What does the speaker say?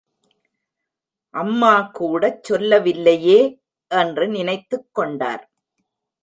அம்மா கூடச்சொல்லவில்லையே! என்று நினைத்துக் கொண்டார்.